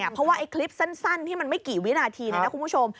เพราะว่าไอ้คลิปสั้นที่มันไม่กี่วินาทีนะคุณผู้ชม